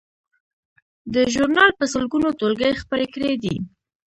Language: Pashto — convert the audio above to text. دې ژورنال په سلګونو ټولګې خپرې کړې دي.